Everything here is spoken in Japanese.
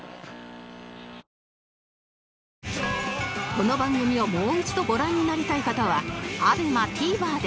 この番組をもう一度ご覧になりたい方は ＡＢＥＭＡＴＶｅｒ で